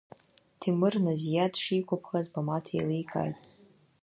Ҭемыр Назиа дшигәаԥхаз Бамаҭ еиликааит.